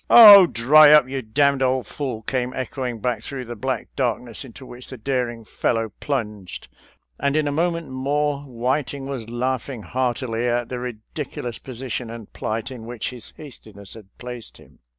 " Oh, dry up, you d d old fool !" came echo ing back through the black darkness into which the daring fellow plunged; and in a moment more Whiting was laughing heartily at the ridic ulous position and plight in which his hastiness had placed him.